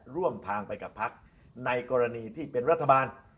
ร่วมทางไปกับพักในกรณีที่เป็นรัฐบาล